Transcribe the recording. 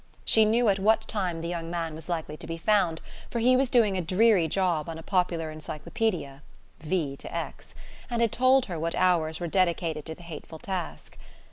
She knew at what time the young man was likely to be found, for he was doing a dreary job on a popular encyclopaedia (V to X), and had told her what hours were dedicated to the hateful task.